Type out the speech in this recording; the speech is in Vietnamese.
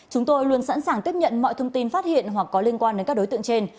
chúng tôi luôn sẵn sàng tiếp nhận mọi thông tin phát hiện hoặc có liên quan đến các đối tượng trên